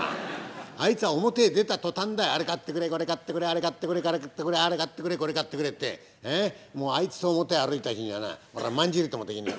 あいつは表へ出た途端だよあれ買ってくれこれ買ってくれあれ買ってくれこれ買ってくれってあいつと表を歩いた日にゃな俺はまんじりともできねえ。